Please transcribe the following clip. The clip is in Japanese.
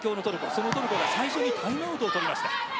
そのトルコが最初にタイムアウトを取りました。